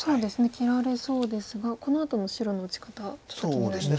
切られそうですがこのあとの白の打ち方ちょっと気になりますね。